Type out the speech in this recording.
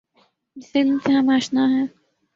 جس علم سے ہم آشنا ہیں۔